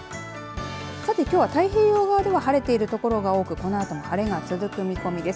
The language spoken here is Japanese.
さてきょうは太平洋側では晴れている所が多くあのあとも晴れが続く見込みです。